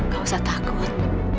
gak usah takut